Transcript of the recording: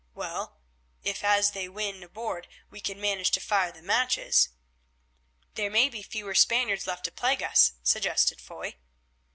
Well, if as they win aboard we can manage to fire the matches——" "There may be fewer Spaniards left to plague us," suggested Foy.